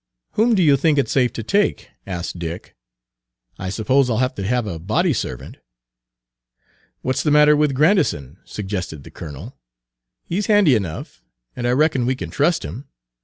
"Whom do you think it safe to take?" asked Dick. "I suppose I'll have to have a body servant." "What's the matter with Grandison?" suggested the colonel. "He 's handy enough, and I reckon we can trust him.